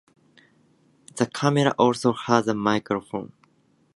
The camera also has a microphone.